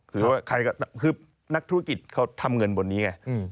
คือนักธุรกิจเขาทำเงินบนนี้ไง